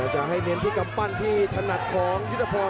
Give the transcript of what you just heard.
จะให้เน้นที่กำปั้นที่ถนัดของยุทธพร